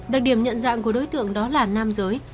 đặc điểm nhận dạng của đối tượng đó là nam giới